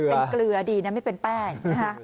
เป็นเกลือดีนะไม่เป็นแป้งนะคะ